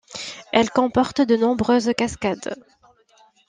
Elle comporte de nombreuses cascades.